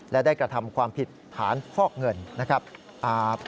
และได้กระทำความผิดฐานฟอกเงินนะครับ